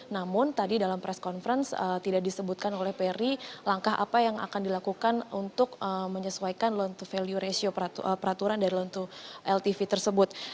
namun tadi dalam press conference tidak disebutkan oleh peri langkah apa yang akan dilakukan untuk menyesuaikan loan to value ratio peraturan dari loan to ltv tersebut